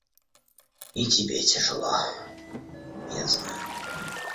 И тебе тяжело, я знаю.